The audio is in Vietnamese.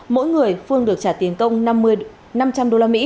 mỗi người phương được trả tiền công năm trăm linh usd